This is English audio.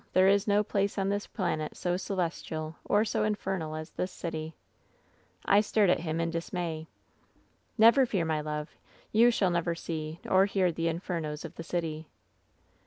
There is no place on this planet so celestial, or so infernal, as is this city/ "I stared at him in dismay. " ^Never fear, my love. You shall never see or hear the infernos of the city.